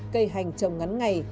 cây hành trồng ngắn ngày